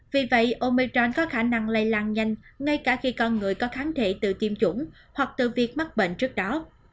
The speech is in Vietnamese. vì vậy omechain có khả năng lây lan nhanh ngay cả khi con người có kháng thể tự tiêm chủng hoặc từ việc mắc bệnh trước đó